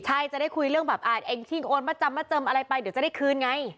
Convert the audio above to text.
ใช่จะได้คุยเรื่องแบบอ่านเองคิ่งโอนมาจำมาเจิมอะไรไปเดี๋ยวจะได้คืนไง